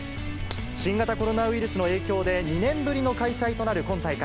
新型コロナウイルスの影響で、２年ぶりの開催となる今大会。